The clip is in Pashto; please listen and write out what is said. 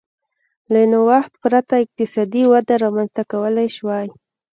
له نوښت پرته اقتصادي وده رامنځته کولای شوای.